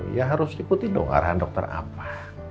ya harus ikuti dong arahan dokter apa